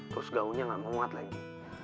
terus gaunya gak memuat lagi